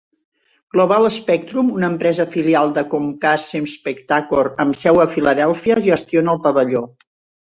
Global Spectrum, una empresa filial de Comcast Spectacor amb seu a Philadelphia, gestiona el pavelló.